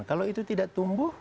kalau itu tidak tumbuh